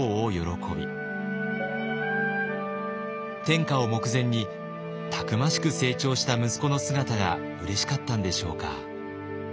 天下を目前にたくましく成長した息子の姿がうれしかったんでしょうか。